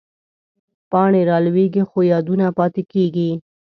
پاڼې رالوېږي، خو یادونه پاتې کېږي